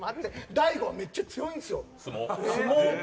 大悟はめっちゃ強いんですよ。